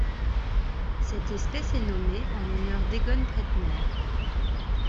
Cette espèce est nommée en l'honneur d'Egon Pretner.